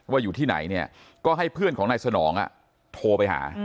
อยู่ที่ไหนเนี่ยก็ให้เพื่อนของนายสนองโทรไปหา